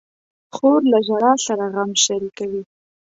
خور له ژړا سره غم شریکوي.